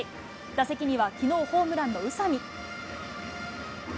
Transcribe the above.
打席にはきのうホームランの宇佐見。